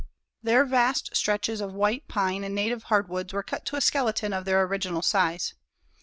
Their vast stretches of white pine and native hardwoods were cut to a skeleton of their original size.